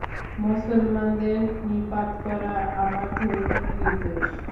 মুসলমানদের নিপাত করা আমার ধর্মীয় নির্দেশ।